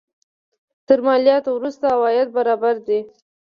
تر مالیاتو وروسته عواید برابر دي.